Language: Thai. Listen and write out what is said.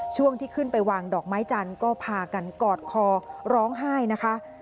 ช่วงที่ขึ้นไปวางดอกไม้จันทร์ก็พากันกอดคอร้องไห้นะคะ